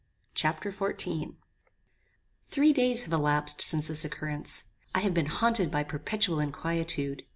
Chapter XIV "Three days have elapsed since this occurrence. I have been haunted by perpetual inquietude.